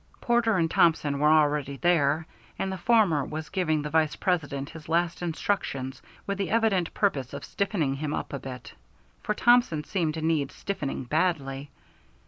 Porter and Thompson were already there, and the former was giving the Vice President his last instructions, with the evident purpose of stiffening him up a bit. For Thompson seemed to need stiffening badly.